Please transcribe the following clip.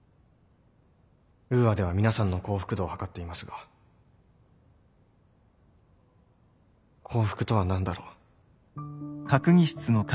ウーアでは皆さんの幸福度をはかっていますが幸福とは何だろう。